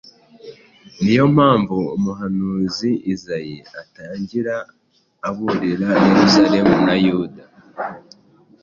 Niyo mpamvu umuhanuzi Izayi atangira aburira Yeruzalemu na Yuda